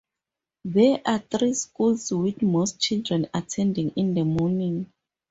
There are three schools with most children attending in the morning.